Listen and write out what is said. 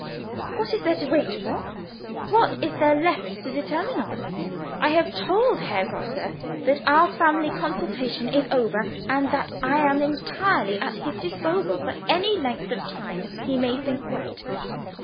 "What is there to wait for? What is there left to determine on? I have told Herr Grosse that our family consultation is over, and that I am entirely at his disposal for any length of time he may think right.